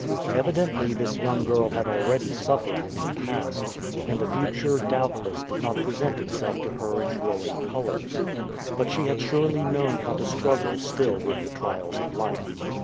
Evidently this young girl had already suffered in the past, and the future doubtless did not present itself to her in glowing colors; but she had surely known how to struggle still with the trials of life.